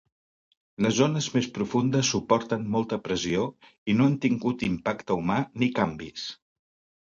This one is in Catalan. Les zones més profundes suporten molta pressió i no han tingut impacte humà ni canvis.